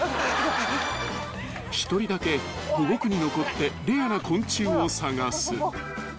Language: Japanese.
［１人だけ保護区に残ってレアな昆虫を探す］